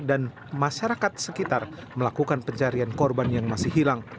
dan masyarakat sekitar melakukan pencarian korban yang masih hilang